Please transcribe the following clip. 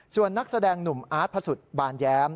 ส่วนนักแสดงหนุ่มอาร์ตพระสุทธิบานแย้ม